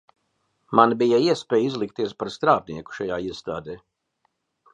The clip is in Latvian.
Man bija iespēja izlikties par strādnieku šajā iestādē.